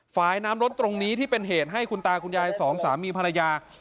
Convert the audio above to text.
ฝ่ายน้ำรถตรงนี้ที่เป็นเหตุให้คุณตาคุณยายสองสามีภรรยา